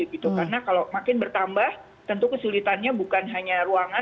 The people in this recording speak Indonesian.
karena kalau makin bertambah tentu kesulitannya bukan hanya ruangan